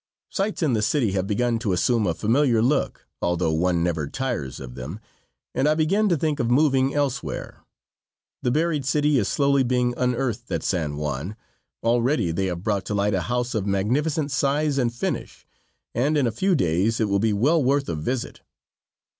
Sights in the city have begun to assume a familiar look, although one never tires of them, and I begin to think of moving elsewhere. The buried city is slowly being unearthed at San Juan. Already they have brought to light a house of magnificent size and finish, and in a few days it will be well worth a visit.